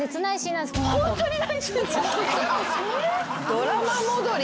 ドラマ戻り